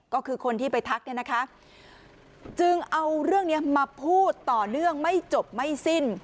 ก็คือคนที่ไปทักเนี่ยนะคะจึงเอาเรื่องนี้มาพูดต่อเนื่องไม่จบไม่สิ้น